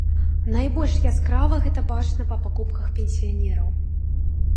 Найбольш яскрава гэта бачна па пакупках пенсіянераў.